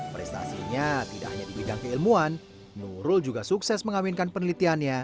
prestasinya tidak hanya di bidang keilmuan nurul juga sukses mengawinkan penelitiannya